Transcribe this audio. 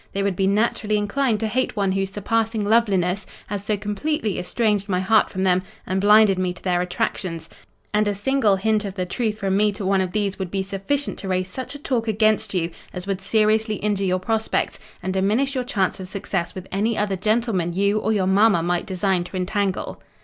They would be naturally inclined to hate one whose surpassing loveliness has so completely estranged my heart from them and blinded me to their attractions; and a single hint of the truth from me to one of these would be sufficient to raise such a talk against you as would seriously injure your prospects, and diminish your chance of success with any other gentleman you or your mamma might design to entangle.